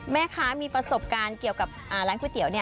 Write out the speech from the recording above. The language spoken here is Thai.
แม่ค้ามีประสบการณ์เกี่ยวกับร้านก๋วยเตี๋ยว